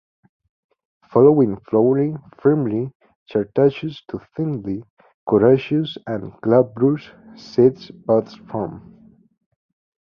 Following flowering firmly chartaceous to thinly coriaceous and glabrous seed pods form.